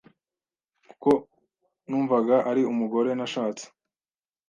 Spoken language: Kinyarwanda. kuko numvaga ari umugore nashatse